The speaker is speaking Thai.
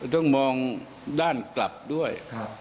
ต้องมองด้านกลับด้วย